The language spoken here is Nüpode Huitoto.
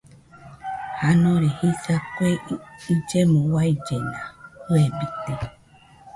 Janore jisa kue illemo uaillena fɨebite